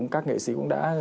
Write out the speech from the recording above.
các nghệ sĩ cũng đã